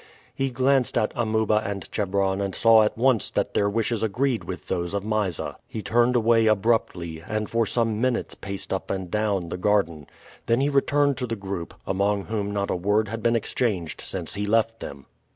He glanced at Amuba and Chebron and saw at once that their wishes agreed with those of Mysa. He turned away abruptly, and for some minutes paced up and down the garden. Then he returned to the group, among whom not a word had been exchanged since he left them.